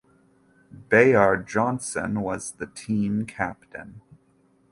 Bayard Johnson was the team captain.